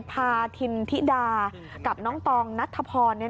พาทินธิดากับน้องตองนัทธพร